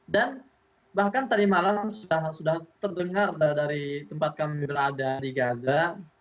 dan bahkan tadi malam sudah terdengar dari tempat kami berada di gaza